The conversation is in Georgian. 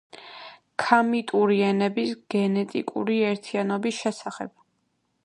ქამიტური ენების გენეტიკური ერთიანობის შესახებ.